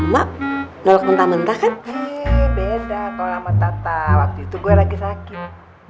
mak nolak mentah mentah kan